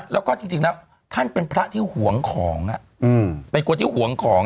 แล้วก็จริงแล้วท่านเป็นพระที่ห่วงของเป็นคนที่ห่วงของ